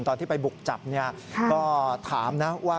ตอนที่ไปบุกจับก็ถามนะว่า